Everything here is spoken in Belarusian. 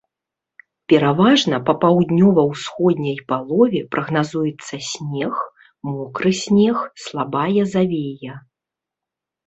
Пераважна па паўднёва-ўсходняй палове прагназуецца снег, мокры снег, слабая завея.